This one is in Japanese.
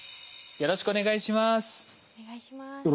よろしくお願いします。